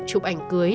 chụp ảnh cưới